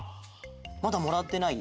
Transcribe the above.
まだもらってない？